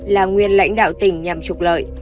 là nguyên lãnh đạo tỉnh nhằm trục lợi